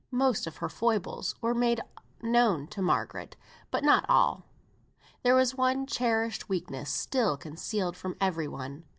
Most of her foibles also were made known to Margaret, but not all. There was one cherished weakness still concealed from every one.